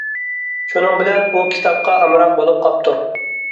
شۇنىڭ بىلەن ئۇ كىتابقا ئامراق بولۇپ قاپتۇ.